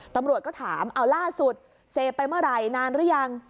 ตำรวจก็ถามเอาล่าสุดเสพไปเมื่อไหร่นานหรือยัง